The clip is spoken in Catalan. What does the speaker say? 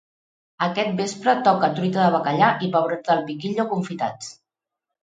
Aquest vespre toca truita de bacallà i pebrots del piquillo confitats